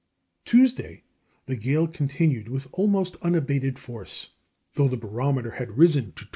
Tuesday the gale continued with almost unabated force, though the barometer had risen to 29.